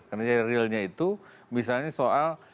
karena realnya itu misalnya soal